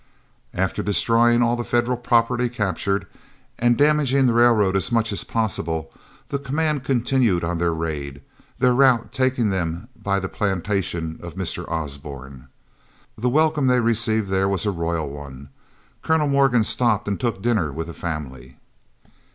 After destroying all the Federal property captured, and damaging the railroad as much as possible, the command continued on their raid, their route taking them by the plantation of Mr. Osborne. The welcome they received there was a royal one. Colonel Morgan stopped and took dinner with the family.